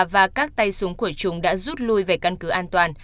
và các tay súng của chúng đã rút lui về căn cứ an toàn